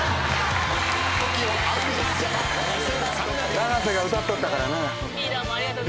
長瀬が歌っとったからなぁ。